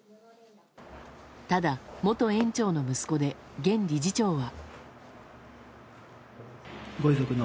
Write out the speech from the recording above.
ただ、元園長の息子で現理事長は。